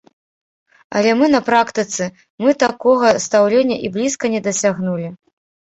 Але мы на практыцы мы такога стаўлення і блізка не дасягнулі.